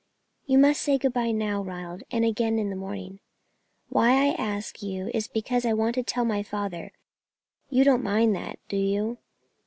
"You must say good bye now, Ronald, and again in the morning. Why I ask you is because I want to tell my father. You don't mind that, do you?